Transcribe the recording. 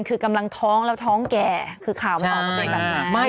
คือกำลังท้องแล้วท้องแก่คือข่าวมันออกมาเป็นแบบนั้น